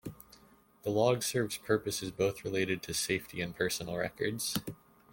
The log serves purposes both related to safety and personal records.